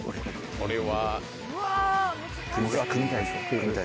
これは。